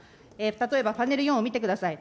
例えば、パネル４を見てください。